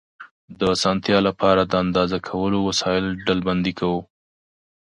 د اسانتیا له پاره، د اندازه کولو وسایل ډلبندي کوو.